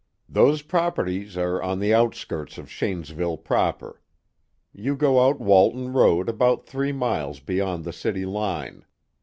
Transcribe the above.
"Those properties are on the outskirts of Shanesville proper. You go out Walton Road about three miles beyond the city line.